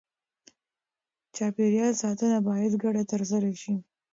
چاپېریال ساتنه باید ګډه ترسره شي.